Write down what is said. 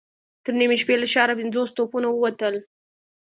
تر نيمې شپې له ښاره پنځوس توپونه ووتل.